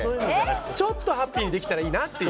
ちょっとハッピーにできたらいいなっていう。